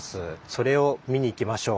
それを見に行きましょう。